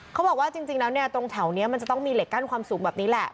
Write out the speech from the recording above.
เขาบอกว่าจริงแล้วเนี่ยตรงแถวนี้มันจะต้องมีเหล็กกั้นความสูงแบบนี้แหละ